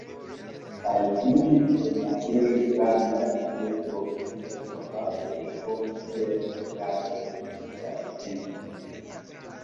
Kaj unu el la plej grandaj virtoj estas kapablo rekoni siajn erarojn kaj penti.